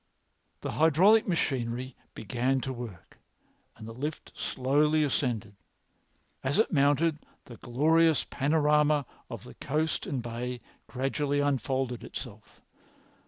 The hydraulic machinery had begun to work and the lift very slowly ascended. As it mounted, the glorious panorama of the coast and bay gradually unfolded itself.